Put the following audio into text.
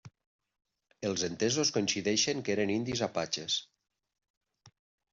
Els entesos coincideixen que eren indis apatxes.